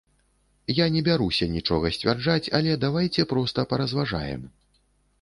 Я не бяруся нічога сцвярджаць, але давайце проста паразважаем.